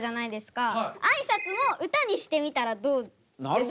あいさつも歌にしてみたらどうですか？